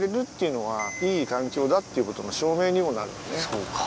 そうか。